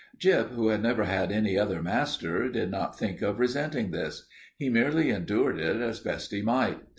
Gyp, who had never had any other master, did not think of resenting this. He merely endured it as best he might.